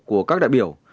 của các đại biểu